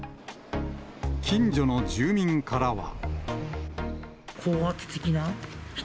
近所の住民からは。